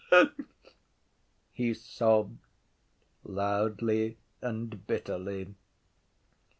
He sobbed loudly and bitterly.